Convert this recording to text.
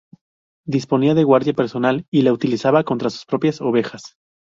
Disponía de guardia personal y la utilizaba contra sus propias ovejas.